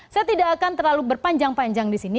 saya tidak akan terlalu berpanjang panjang di sini